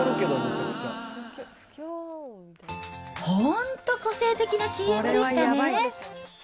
本当個性的なＣＭでしたね。